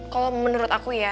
kalau menurut aku ya